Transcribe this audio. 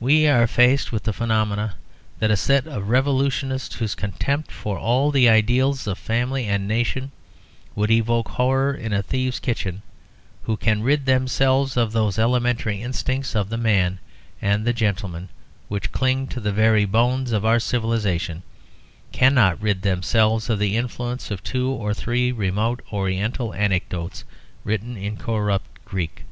We are faced with the phenomenon that a set of revolutionists whose contempt for all the ideals of family and nation would evoke horror in a thieves' kitchen, who can rid themselves of those elementary instincts of the man and the gentleman which cling to the very bones of our civilisation, cannot rid themselves of the influence of two or three remote Oriental anecdotes written in corrupt Greek.